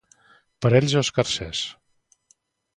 Parell o escarcers?